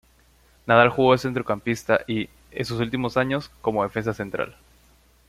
Nadal jugó de centrocampista y, en sus últimos años, como defensa central.